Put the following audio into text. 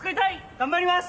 頑張ります！